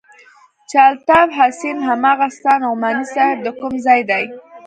چې الطاف حسين هماغه ستا نعماني صاحب د کوم ځاى دى.